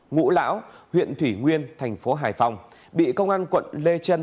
ngũ lão huyện thủy nguyên thành phố hải phòng bị công an quận lê trân